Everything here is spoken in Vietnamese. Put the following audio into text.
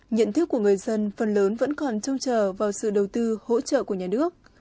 nhận thức của người dân phần lớn vẫn còn trông chờ vào sự đầu tư hỗ trợ của nhà nước